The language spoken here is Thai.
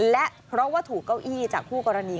และเพราะว่าถูกเก้าอี้จากคู่กรณี